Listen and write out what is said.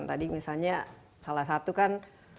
tadi misalnya salah satu kan